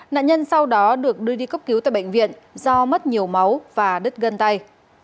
nạn nhân sau đó được đưa đi cấp cứu tại bệnh viện do mất nhiều máu và đứt gân tay